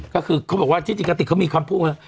ก็คือเขาบอกว่าที่จริงกติกเขามีคำพูดว่า